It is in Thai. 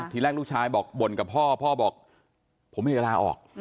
ทีแรกลูกชายบอกบ่นกับพ่อพ่อบอกผมมีเวลาออก